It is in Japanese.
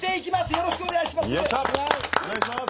よろしくお願いします。